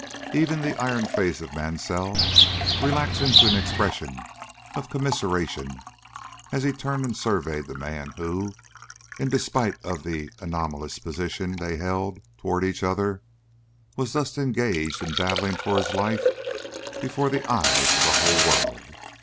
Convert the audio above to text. Even the iron face of Mansell relaxed into an expression of commiseration as he turned and surveyed the man who, in despite of the anomalous position they held toward each other, was thus engaged in battling for his life before the eyes of the whole world.